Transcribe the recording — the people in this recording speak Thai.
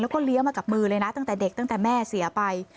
แล้วก็เลี้ยวมากับมือเลยนะตั้งแต่เด็กตั้งแต่แม่เสียไป